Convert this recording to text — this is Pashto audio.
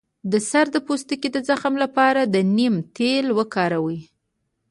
د سر د پوستکي د زخم لپاره د نیم تېل وکاروئ